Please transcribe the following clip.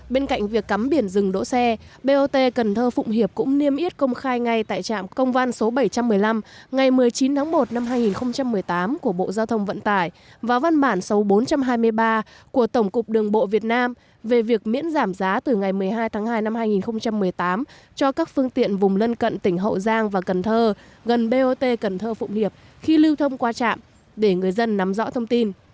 bên cạnh việc cắm biển dừng đỗ xe bot cần thơ phụng hiệp cũng niêm yết công khai ngay tại trạm công văn số bảy trăm một mươi năm ngày một mươi chín tháng một năm hai nghìn một mươi tám của bộ giao thông vận tải và văn bản số bốn trăm hai mươi ba của tổng cục đường bộ việt nam về việc miễn giảm giá từ ngày một mươi hai tháng hai năm hai nghìn một mươi tám cho các phương tiện vùng lân cận tỉnh hậu giang và cần thơ gần bot cần thơ phụng hiệp khi lưu thông qua trạm để người dân nắm rõ thông tin